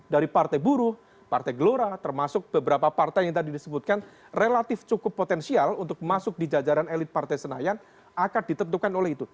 dari partai buruh partai gelora termasuk beberapa partai yang tadi disebutkan relatif cukup potensial untuk masuk di jajaran elit partai senayan akan ditentukan oleh itu